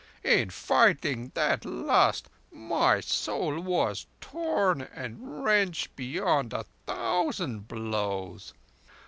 In fighting that lust, my soul was torn and wrenched beyond a thousand blows.